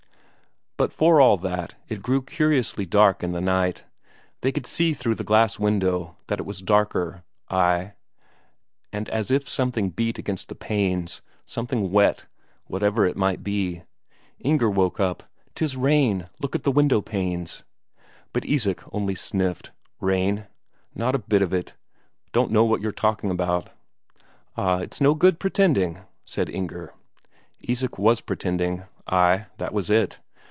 But for all that, it grew curiously dark in the night. They could see through the glass window that it was darker ay, and as if something beat against the panes, something wet, whatever it might be. Inger woke up. "'Tis rain! look at the window panes." But Isak only sniffed. "Rain? not a bit of it. Don't know what you're talking about." "Ah, it's no good pretending," said Inger. Isak was pretending ay, that was it.